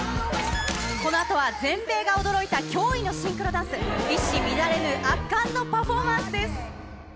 このあとは全米が驚いた驚異のシンクロダンス、一糸乱れぬ圧巻のパフォーマンスです。